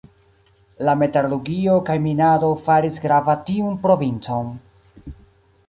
La metalurgio kaj minado faris grava tiun provincon.